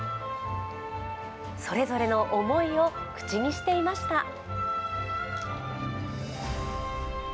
それぞれの思いを口にしていました。